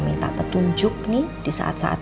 minta petunjuk nih di saat saat